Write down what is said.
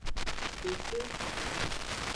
Kpekpe.